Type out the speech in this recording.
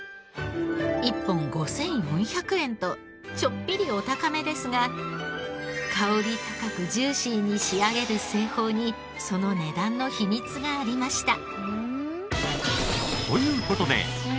１本５４００円とちょっぴりお高めですが薫り高くジューシーに仕上げる製法にその値段の秘密がありました。